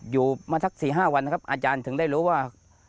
อยู่มาสัก๔๕วันนะครับอาจารย์ถึงได้รู้ว่า